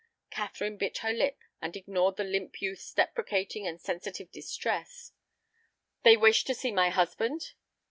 Catherine bit her lip and ignored the limp youth's deprecating and sensitive distress. "They wish to see my husband?"